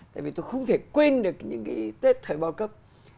tại vì tôi không thể quên được những cái tết thầy bao cấp